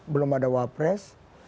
belum ada wapres